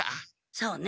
そうね。